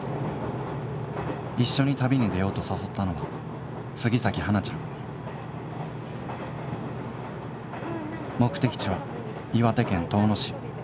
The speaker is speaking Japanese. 一緒に旅に出ようと誘ったのは杉咲花ちゃん目的地は岩手県遠野市。